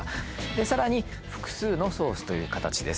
さらに「複数のソース」という形です。